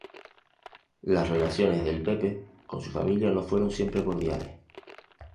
Las relaciones del Pepe con su familia no fueron siempre cordiales.